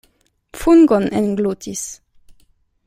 Fungon englutis!